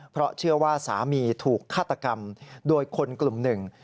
เพราะเชื่อว่าสามีถูกฆาตกรรมโดยคนกลุ่มหนึ่ง